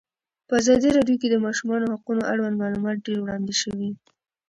په ازادي راډیو کې د د ماشومانو حقونه اړوند معلومات ډېر وړاندې شوي.